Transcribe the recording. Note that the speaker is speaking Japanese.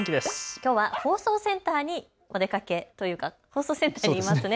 きょうは放送センターにお出かけというか、放送センターにいますね。